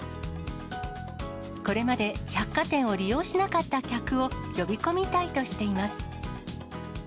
これまで、百貨店を利用しなかった客を呼び込みたいとしています。